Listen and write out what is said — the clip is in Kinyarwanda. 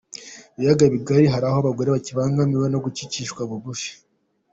Ibiyaga Bigari Hari aho abagore bakibangamiwe no gucishwa bugufi